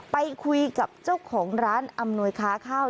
ไปคุยกับเจ้าของร้านอำนวยค้าข้าว